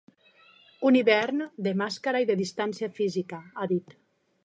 Un hivern de màscara i de distància física, ha dit.